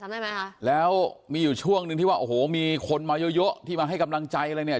ได้ไหมคะแล้วมีอยู่ช่วงหนึ่งที่ว่าโอ้โหมีคนมาเยอะเยอะที่มาให้กำลังใจอะไรเนี่ย